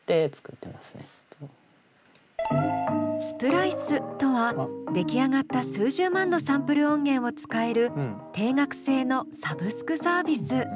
スプライスとは出来上がった数十万のサンプル音源を使える定額制のサブスクサービス。